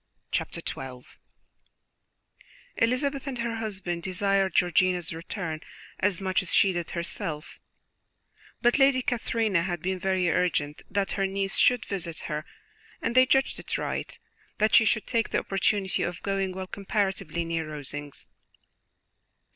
Chapter XII Elizabeth and her husband desired Georgiana's return as much as she did herself, but Lady Catherine had been very urgent that her niece should visit her, and they judged it right that she should take the opportunity of going, while comparatively near Rosings.